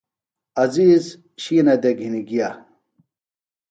عزیز شِینہ دےۡ گھِنیۡ گِیہ